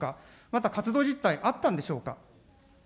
また活動実態、あったんでしょうか。